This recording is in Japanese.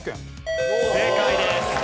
正解です。